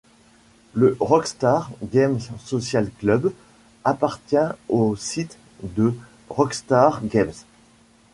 Le Rockstar Games Social Club appartient au site de Rockstar Games.